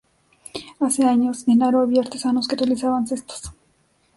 Hace años, en Aro había artesanos que realizaban cestos.